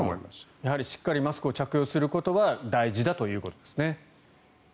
やはりしっかりマスクを着用することが大事だということですね。